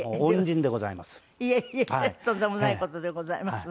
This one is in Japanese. いえいえとんでもない事でございます。